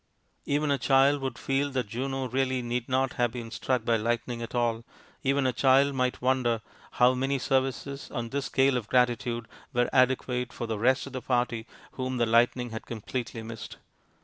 Even a child would feel that Juno really need not have been struck by lightning at all; even a child might wonder how many services, on this scale of gratitude, were adequate for the rest of the party whom the lightning had completely missed.